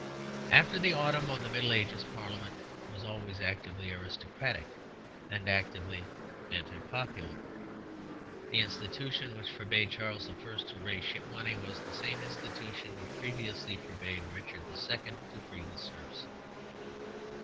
After the autumn of the Middle Ages Parliament was always actively aristocratic and actively anti popular. The institution which forbade Charles I. to raise Ship Money was the same institution which previously forbade Richard II. to free the serfs.